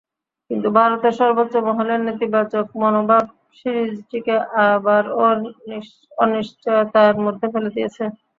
কিন্তু ভারতের সর্বোচ্চ মহলের নেতিবাচক মনোভাব সিরিজটিকে আবারও অনিশ্চয়তার মধ্যে ফেলে দিয়েছে।